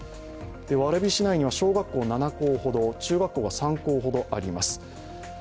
蕨市内には小学校７校ほど、中学校が３校ほどあります